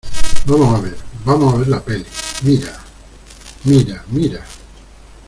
vamos a ver, vamos a ver la peli. mira , mira , mira .